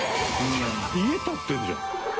家建ってるじゃん。